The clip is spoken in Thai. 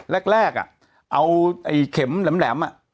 แรกเอาเข็มแหลม